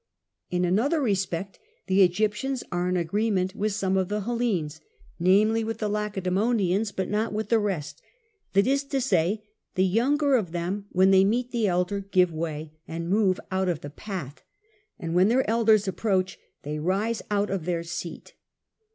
In another respect the Egyptians are in agreement with some of the Hellenes, namely with the Lacedemonians, but not with the rest, that is to say, the younger of them when they meet the elder give way and move out of the path, and when their elders approach, they rise out of their seat.